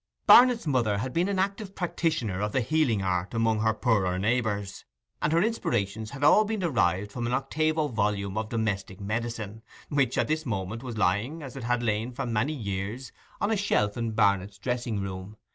Barnet's mother had been an active practitioner of the healing art among her poorer neighbours, and her inspirations had all been derived from an octavo volume of Domestic Medicine, which at this moment was lying, as it had lain for many years, on a shelf in Barnet's dressing room.